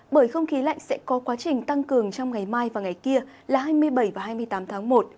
bởi không khí lạnh sẽ có quá trình tăng cường trong ngày mai và ngày kia là hai mươi bảy và hai mươi tám tháng một